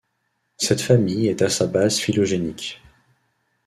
Cette famille est à sa base phylogénique.